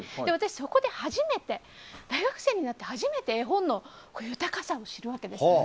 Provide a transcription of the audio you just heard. そこで大学生になって初めて絵本の豊かさを知るわけですね。